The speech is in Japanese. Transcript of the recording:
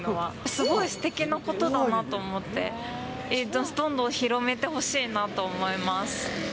すごいすてきなことだなと思って、どんどん広めてほしいなと思います。